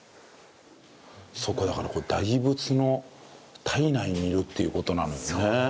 そうかだからこれ大仏の胎内にいるっていう事なのよね。